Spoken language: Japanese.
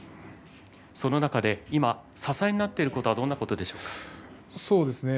その中で今、支えになっていることは、どんなことでしょうか？